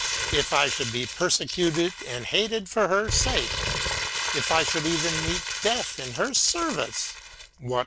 If I should be persecuted and hated for her sake, if I should even meet death in her service, what won i.